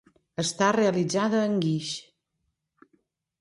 Està realitzada en guix.